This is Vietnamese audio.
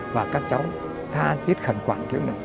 và các cháu tha thiết khẩn quản